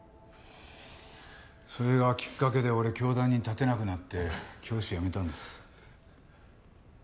それがきっかけで俺教壇に立てなくなって教師辞めたんです。